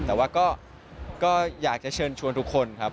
แต่ว่าก็อยากจะเชิญชวนทุกคนครับ